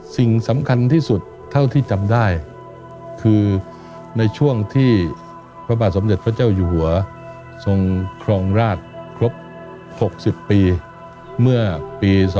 สิ่งสำคัญที่สุดเท่าที่จำได้คือในช่วงที่พระบาทสมเด็จพระเจ้าอยู่หัวทรงครองราชครบ๖๐ปีเมื่อปี๒๕๖